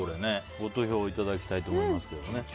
ご投票いただきたいと思います。